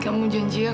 kamu benar sekali